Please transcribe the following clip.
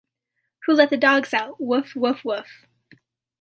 Who let the dogs out? Woof, woof, woof.